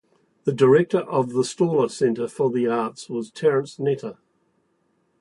The first director of the Staller Center for the Arts was Terence Netter.